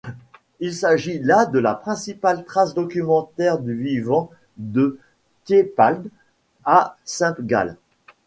Il s’agit là de la principale trace documentaire du vivant de Thietpald à Saint-Gall.